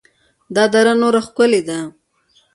د دره نور ښکلې ده